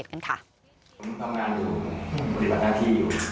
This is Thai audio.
มึงด่ากูทำไม